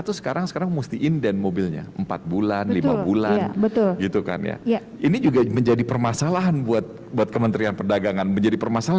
pelanggar mart ini juga menolong memasak